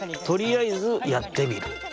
とりあえずやってみる。